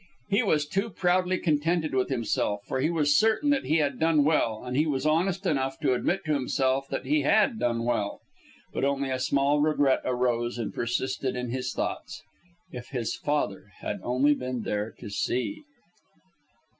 He was too proudly contented with himself, for he was certain that he had done well, and he was honest enough to admit to himself that he had done well. But a small regret arose and persisted in his thoughts if his father had only been there to see!